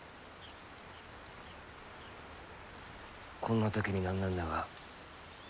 こんな時に何なんだが。